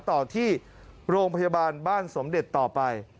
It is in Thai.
ต่อที่โรงพยาบาลบ้านสมเด็จต่อไป